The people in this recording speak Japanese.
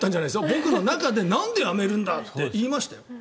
僕の中でなんでやめるんだって怒りましたよ。